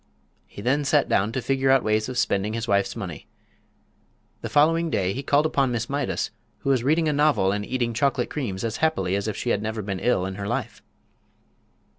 He then sat down to figure out ways of spending his wife's money. The following day he called upon Miss Mydas, who was reading a novel and eating chocolate creams as happily as if she had never been ill in her life.